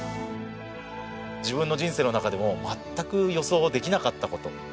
自分の人生の中でも全く予想できなかった事。